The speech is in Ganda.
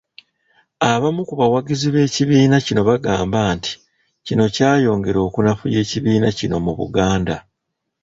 Abamu ku bawagizi b'ekibiina kino bagamba nti kino kyayongera okunafuya ekibiina kino mu Buganda.